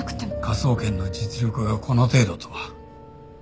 科捜研の実力がこの程度とは。